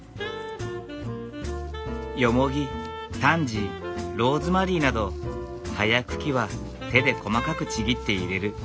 よもぎタンジーローズマリーなど葉や茎は手で細かくちぎって入れる。